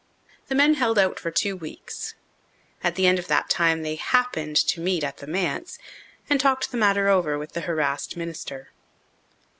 The men held out for two weeks. At the end of that time they "happened" to meet at the manse and talked the matter over with the harassed minister.